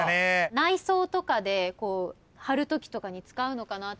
内装とかではるときとかに使うのかなって。